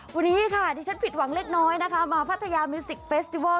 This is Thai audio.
วันนี้ค่ะดิฉันผิดหวังเล็กน้อยนะคะมาพัทยามิวสิกเฟสติวัล